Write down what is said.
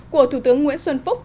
của thủ tướng nguyễn xuân phúc